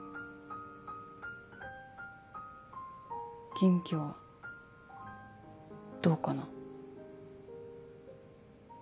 元気はどうかな？